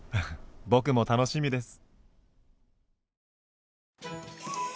僕も楽しみです。